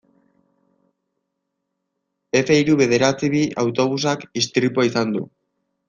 Efe hiru bederatzi bi autobusak istripua izan du.